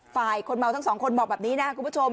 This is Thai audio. คนเมาทั้งสองคนบอกแบบนี้นะคุณผู้ชม